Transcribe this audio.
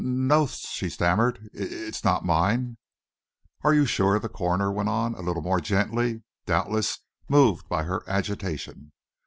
"N no," she stammered; "it's it's not mine." "Are you sure?" the coroner went on, a little more gently, doubtless moved by her agitation.